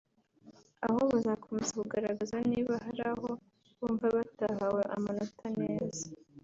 aho bazakomeza kugaragaza niba hari aho bumva batahawe amanota neza